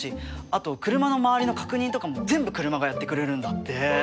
あと車の周りの確認とかも全部車がやってくれるんだって。